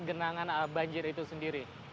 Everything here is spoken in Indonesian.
genangan banjir itu sendiri